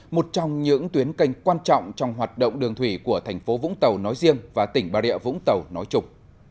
một trong những tuyến kênh quan trọng trong hoạt động đường thủy của tp vũng tàu nói riêng và tỉnh bà rịa vũng tàu nói trục